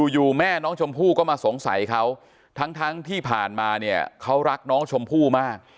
อยู่แม่น้องชมพู่ก็มาสงสัยเขาทั้งที่ผ่านมาเนี่ยเขารักน้องชมพู่มาก